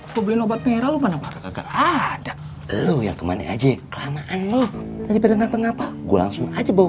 kalau om brle maksudnya maga pak ada dulu yang kema ning aji kenessetan bapa gua langsung aja bawa